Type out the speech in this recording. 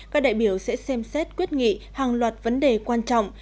các đại biểu sẽ xem xét quyết nghị hàng loạt vấn đề quan trọng